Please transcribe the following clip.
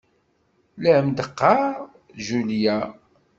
La am-d-teɣɣar Julia.